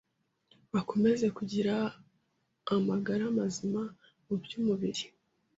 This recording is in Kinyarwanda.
bakomeze kugira amagara mazima mu by’umubiri